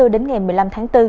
đến ngày một mươi năm tháng bốn